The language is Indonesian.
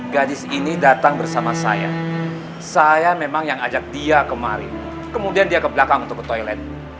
gadis ini datang bersama saya saya memang yang ajak dia kemarin kemudian dia ke belakang untuk ke toilet